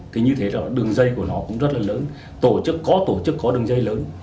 thì như thế là đường dây của nó cũng rất là lớn tổ chức có tổ chức có đường dây lớn